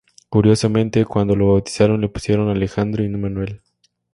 Curiosamente, cuando lo bautizaron le pusieron Alejandro y no Manuel.